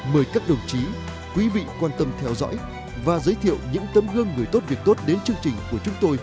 mời các đồng chí quý vị quan tâm theo dõi và giới thiệu những tấm gương người tốt việc tốt đến chương trình của chúng tôi